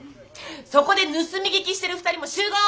そこで盗み聞きしてる２人も集合！